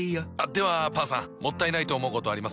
ではパンさんもったいないと思うことあります？